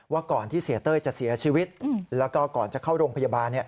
ก่อนที่เสียเต้ยจะเสียชีวิตแล้วก็ก่อนจะเข้าโรงพยาบาล